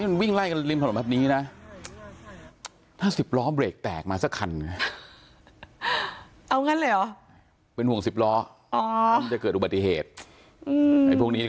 ตั้งใจว่าจะเราคนหน้า